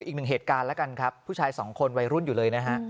อีกหนึ่งเหตุการณ์แล้วกันครับผู้ชายสองคนวัยรุ่นอยู่เลยนะฮะ